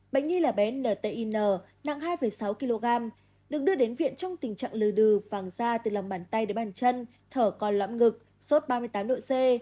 bệnh nhi là bé ntina hai sáu kg được đưa đến viện trong tình trạng lừa đừ vàng da từ lòng bàn tay đến bàn chân thở còn lõm ngực sốt ba mươi tám độ c